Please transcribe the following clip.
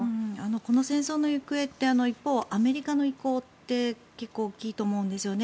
この戦争の行方って一方、アメリカの意向って結構大きいと思うんですよね。